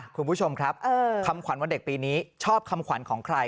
คุณผู้ชมครับคำขวัญวันเด็กปีนี้ชอบคำขวัญของใคร